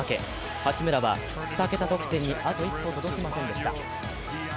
八村は２桁得点にあと一歩届きませんでした。